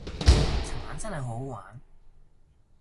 尋晚真係好好玩